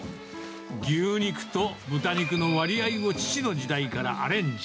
牛肉と豚肉の割合を父の時代からアレンジ。